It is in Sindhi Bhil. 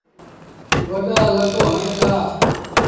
وڏآ لڪ هوئيݩ دآ۔